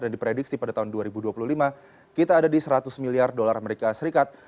dan diprediksi pada tahun dua ribu dua puluh lima kita ada di seratus miliar dolar amerika serikat